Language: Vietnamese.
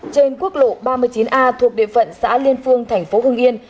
trên quốc lộ ba mươi chín a thuộc địa phận xã liên phương thành phố hưng yên